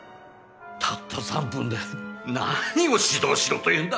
たった３分で何を指導しろというんだまったく！